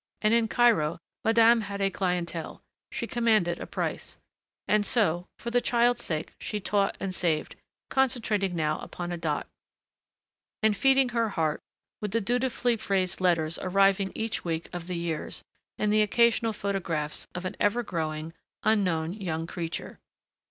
And in Cairo madame had a clientèle, she commanded a price. And so for the child's sake she taught and saved, concentrating now upon a dot, and feeding her heart with the dutifully phrased letters arriving each week of the years, and the occasional photographs of an ever growing, unknown young creature.